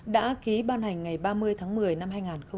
đã ký ban hành ngày ba mươi tháng một mươi năm hai nghìn một mươi chín